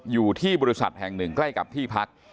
อยู่ที่บริษัทแห่งหนึ่งใกล้กับที่พัก